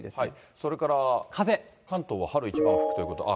それから関東は春一番吹くということは、ああ、